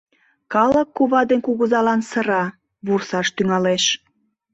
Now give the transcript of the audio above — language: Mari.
Калык кува ден кугызалан сыра, вурсаш тӱҥалеш.